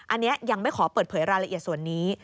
อันนี้ยังไม่ขอเปิดเผยรายละเอียดส่วนนี้